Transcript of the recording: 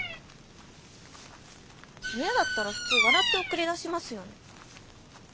親だったら普通笑って送り出しますよね？